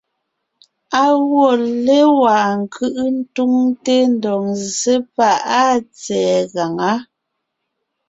Á gwɔ́ légwá ńkʉ́ʼʉ ńtúŋte ńdɔg ńzsé páʼ áa tsɛ̀ɛ gaŋá.